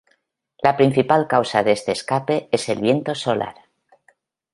La principal causa de este escape es el viento solar.